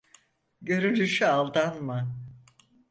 Görünüşe aldanma.